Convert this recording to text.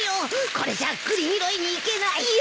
これじゃ栗拾いに行けないよ！